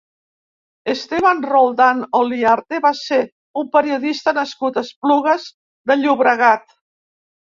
Esteban Roldán Oliarte va ser un periodista nascut a Esplugues de Llobregat.